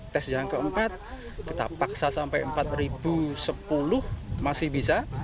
tes yang keempat kita paksa sampai empat sepuluh masih bisa